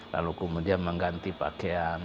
lalu kemudian mengganti pakaian